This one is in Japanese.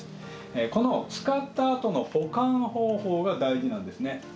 この使った後の保管方法が大事なんですね。